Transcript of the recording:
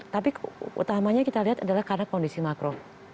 tapi utamanya kita lihat adalah karena kondisi makro